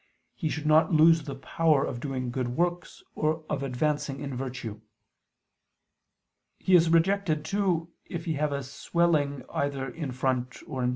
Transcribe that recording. he should not lose the power of doing good works or of advancing in virtue. He is rejected, too, if he have a swelling either in front or behind [Vulg.